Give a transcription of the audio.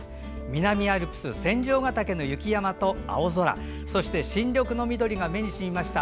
南アルプス仙丈ヶ岳の雪山と青空そして新緑の緑が目に染みました。